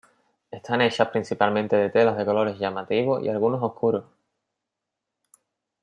Están hechas principalmente de telas de colores llamativos y algunos oscuros.